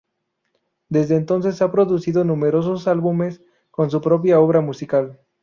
Desde entonces ha producido numerosos álbumes con su propia obra musical.